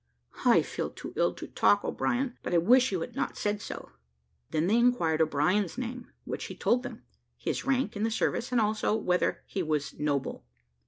"I feel too ill to talk, O'Brien; but I wish you had not said so." They then inquired O'Brien's name, which he told them; his rank in the service, and also whether he was noble.